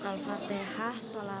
hal fatihah salawat sama bismillah